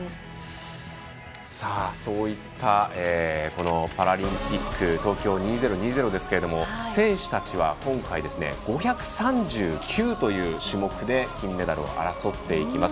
そういったパラリンピック東京２０２０ですけれども選手たちは今回５３９という種目で金メダルを争っていきます。